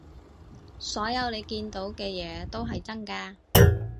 所有你見到嘅嘢都係真㗎